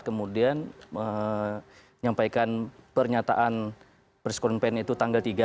kemudian menyampaikan pernyataan berskronpen itu tanggal tiga